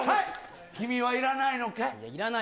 君はいらないのかい？